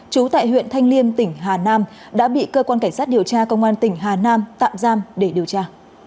trú tại huyện thanh liêm tỉnh hà nam đã bị cơ quan cảnh sát điều tra công an tỉnh hà nam tạm giam để điều tra